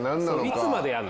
いつまでやるの？